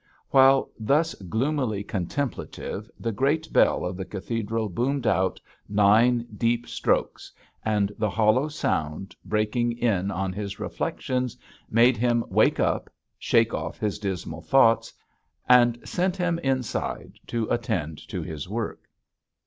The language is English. While thus gloomily contemplative, the great bell of the cathedral boomed out nine deep strokes, and the hollow sound breaking in on his reflections made him wake up, shake off his dismal thoughts, and sent him inside to attend to his work.